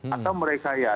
atau mereka ya